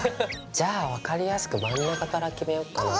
じゃあ分かりやすく真ん中から決めよっかなぁ。